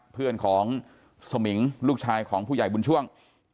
เพื่อนของสมิงลูกชายของผู้ใหญ่บุญช่วง